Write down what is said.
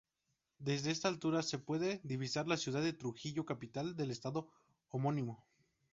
Desde esta altura se pueden divisar la ciudad de Trujillo, capital del estado homónimo.